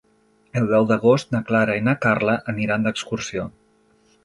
El deu d'agost na Clara i na Carla aniran d'excursió.